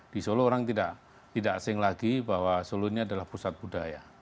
di solo orang tidak asing lagi bahwa solo ini adalah pusat budaya